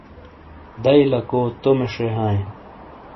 دئیی لکو تومے ݜے ہائیں۔